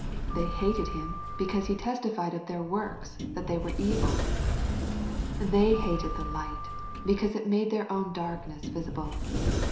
They hated Him, because He testified of their works that they were evil. They hated the light, be cause it made their own darkness visible.